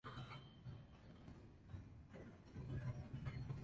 Realizó sus estudios escolares en el Colegio Sagrados Corazones Recoleta de Perú.